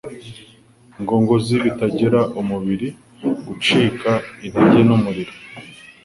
ngongozi bigatera umubiri gucika intege n’umuriro.